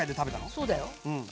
そうだよ。